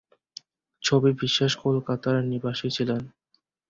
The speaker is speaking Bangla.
ছবি বিশ্বাস কলকাতার নিবাসী ছিলেন।